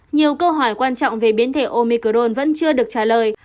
nhiều câu hỏi quan trọng về biến thể omicron vẫn chưa được trả lời